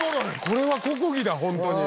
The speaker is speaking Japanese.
これは国技だホントに。